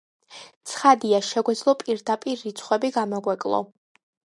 ცხადია, შეგვეძლო პირდაპირ რიცხვები გამოგვეკლო.